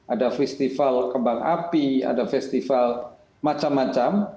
ada festival kembang api ada festival macam macam